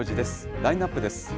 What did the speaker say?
ラインナップです。